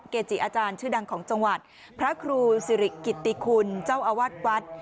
เกจิอาจารย์ชื่อดังของจังหวัดพระครูสิริกิติคุณเจ้าอาวาสวัด